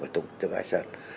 tổng bí thư asean